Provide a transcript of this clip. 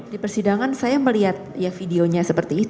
di persidangan saya melihat ya videonya seperti itu